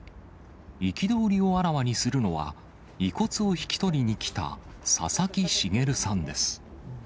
憤りをあらわにするのは、遺骨を引き取りに来た佐々木茂さんです。